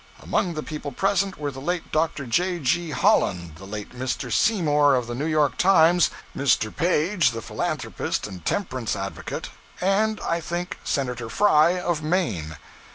Among the people present were the late Dr. J. G. Holland, the late Mr. Seymour of the 'New York Times,' Mr. Page, the philanthropist and temperance advocate, and, I think, Senator Frye, of Maine.